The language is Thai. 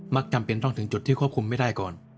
จำเป็นต้องถึงจุดที่ควบคุมไม่ได้ก่อน